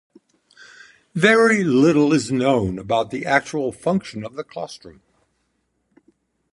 Very little is known about the actual function of the claustrum.